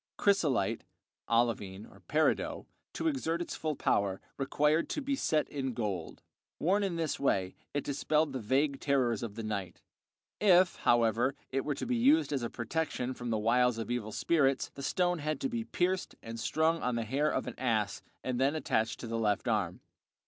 Chrysolite (olivine, peridot), to exert its full power, required to be set in gold; worn in this way it dispelled the vague terrors of the night. If, however, it were to be used as a protection from the wiles of evil spirits, the stone had to be pierced and strung on the hair of an ass and then attached to the left arm.